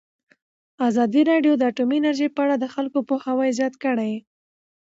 ازادي راډیو د اټومي انرژي په اړه د خلکو پوهاوی زیات کړی.